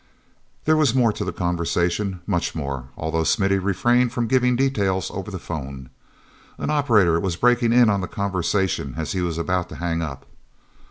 There was more to the conversation, much more, although Smithy refrained from giving details over the phone. An operator was breaking in on the conversation as he was about to hang up.